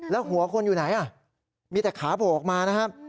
แล้วหัวคนอยู่ไหนมีแต่ขาโผล่ออกมานะครับ